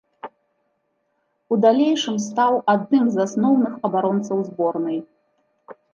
У далейшым стаў адным з асноўных абаронцаў зборнай.